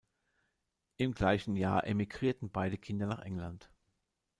Im gleichen Jahr emigrierten beide Kinder nach England.